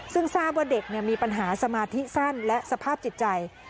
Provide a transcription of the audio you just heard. ซึ่งทราบว่าเด็กมีปัญหาสมาธิสั้นและสภาพจิตใจ